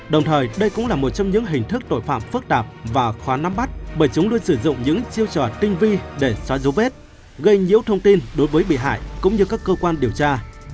đồng thời đây cũng là một trong những hình thức tội phạm phức tạp và khó nắm bắt bởi chúng luôn sử dụng những chiêu trò tinh vi để xóa dấu vết gây nhiễu thông tin đối với bị hại cũng như các cơ quan điều tra